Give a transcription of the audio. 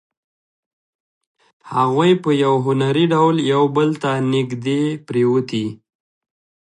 هغوی په یو هنري ډول یو بل ته نږدې پرېوتې